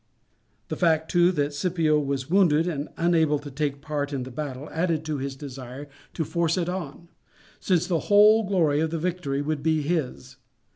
The fact, too, that Scipio was wounded and unable to take part in the battle added to his desire to force it on, since the whole glory of the victory would be his.